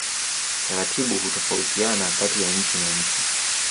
Taratibu hutofautiana kati ya nchi na nchi.